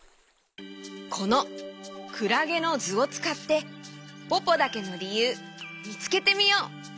このクラゲのずをつかってポポだけのりゆうみつけてみよう！